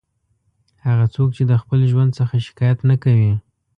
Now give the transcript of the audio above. هغه څوک چې د خپل ژوند څخه شکایت نه کوي.